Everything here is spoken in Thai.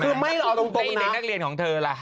คือไม่หรอกตรงน้าเอาตรงนะในเด็กนักเรียนของเธอล่ะ